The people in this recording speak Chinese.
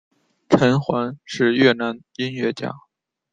陈桓是越南音乐家。